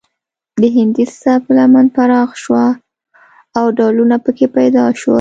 د هندي سبک لمن پراخه شوه او ډولونه پکې پیدا شول